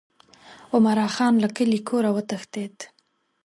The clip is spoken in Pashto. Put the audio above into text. عمرا خان له کلي کوره وتښتېد.